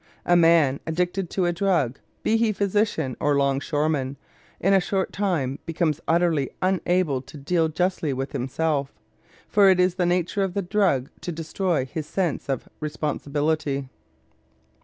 A man addicted to a drug, be he physician or longshoreman, in a short time becomes utterly unable to deal justly with himself, for it is the nature of the drug to destroy his sense of responsibility.